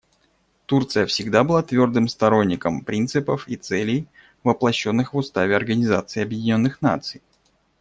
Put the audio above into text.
Турция всегда была твердым сторонником принципов и целей, воплощенных в Уставе Организации Объединенных Наций.